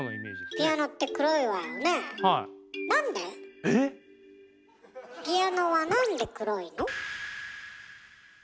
ピアノはなんで黒いの？